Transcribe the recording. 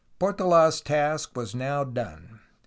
PortoM^s task was now done.